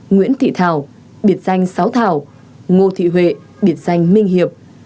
nguyễn thị thảo biệt danh sáu thảo ngô thị huệ biệt danh minh hiệp